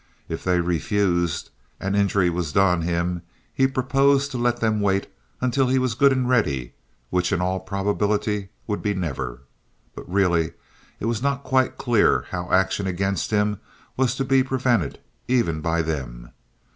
If they refused, and injury was done him, he proposed to let them wait until he was "good and ready," which in all probability would be never. But, really, it was not quite clear how action against him was to be prevented—even by them.